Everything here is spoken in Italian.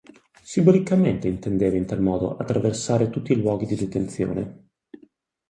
Simbolicamente intendeva in tal modo attraversare tutti i luoghi di detenzione.